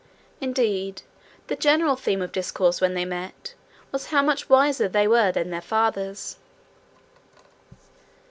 Indeed, the general theme of discourse when they met was, how much wiser they were than their fathers.